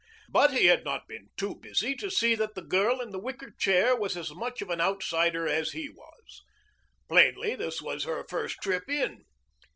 But he had not been too busy to see that the girl in the wicker chair was as much of an outsider as he was. Plainly this was her first trip in.